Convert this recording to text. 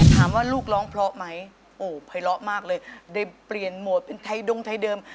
ลูกร้องเพราะไหมโอ้ภัยเลาะมากเลยได้เปลี่ยนโหมดเป็นไทยดงไทยเดิม